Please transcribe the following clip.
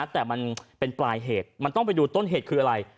แต่มันเป็นปลายเหตุมันต้องไปดูต้นเหตุคืออะไร